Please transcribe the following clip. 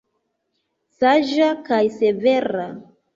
Saĝa kaj severa.